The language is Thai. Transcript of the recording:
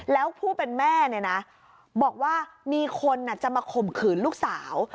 แล้วผู้เป็นแม่เนี่ยนะบอกว่ามีคนจะมาข่มขืนลูกสาว